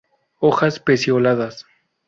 Hojas pecioladas.